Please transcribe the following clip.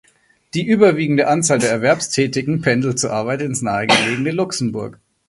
Die überwiegende Anzahl der Erwerbstätigen pendelt zur Arbeit ins nahegelegene Luxemburg.